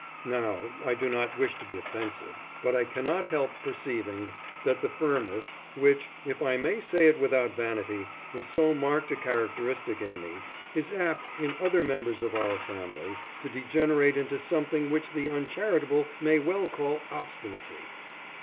Now, I do not wish to be offensive, but I cannot help perceiving that the firmness, which, if I may say it without vanity, is so marked a characteristic in me, is apt in other members of our family to degenerate into something which the uncharitable may well call obstinacy."